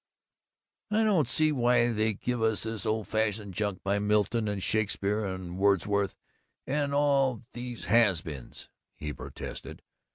"I don't see why they give us this old fashioned junk by Milton and Shakespeare and Wordsworth and all these has beens," he protested.